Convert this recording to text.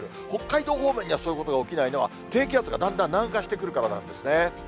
北海道方面にそういうことは起きないのは、低気圧がだんだん南下してくるからなんですね。